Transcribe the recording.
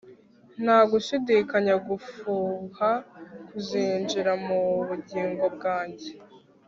nta gushidikanya gufuha kuzinjira mu bugingo bwanjye